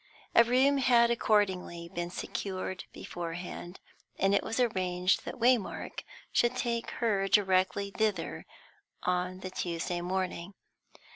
A room had accordingly been secured beforehand, and it was arranged that Waymark should take her directly thither on the Tuesday morning.